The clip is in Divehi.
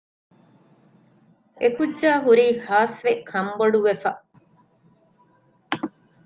އެކުއްޖާހުރީ ހާސްވެ ކަންބޮޑުވެފަ